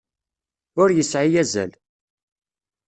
Ur yesεi azal.